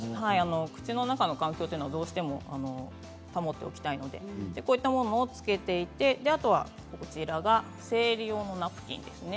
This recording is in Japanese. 口の中の環境というのはどうしても保っておきたいのでこうしたものをつけていてあとは生理用のナプキンですね。